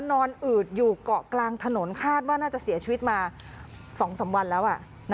อืดอยู่เกาะกลางถนนคาดว่าน่าจะเสียชีวิตมา๒๓วันแล้ว